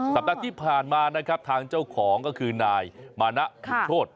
สัปดาห์ที่ผ่านมานะครับทางเจ้าของก็คือนายมานะคุณโชธ